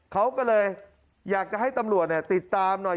เขาก็เลยอยากจะให้ตำรวจติดตามหน่อย